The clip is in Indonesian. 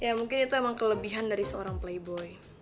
ya mungkin itu emang kelebihan dari seorang playboi